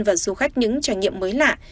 và du khách những trải nghiệm mới lạ